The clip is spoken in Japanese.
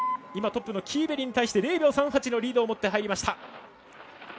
トップのキーベリに対して０秒３１のリード。